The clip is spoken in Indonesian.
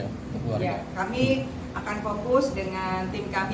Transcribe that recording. ya kami akan fokus dengan tim kami mas dengan internal kami